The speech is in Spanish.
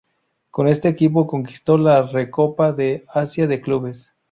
Con este equipo conquistó la Recopa de Asia de Clubes.